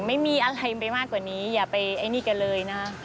ไม่มีอะไรได้มากกว่านี้อย่าไปไงกันเลยนะ